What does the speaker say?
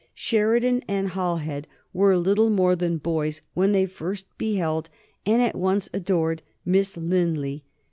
Sheridan and Halhed were little more than boys when they first beheld and at once adored Miss Linley.